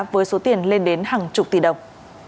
với số tiền lên đến hàng chục tỷ đồng